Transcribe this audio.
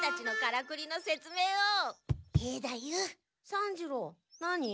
三治郎何？